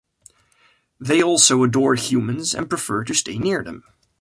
They also adore humans, and prefer to stay near them.